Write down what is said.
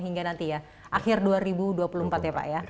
hingga nanti ya akhir dua ribu dua puluh empat ya pak ya